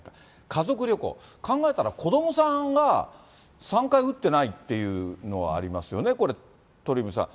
家族旅行、考えたら子どもさんが３回打ってないっていうのはありますよね、これ、鳥海さん。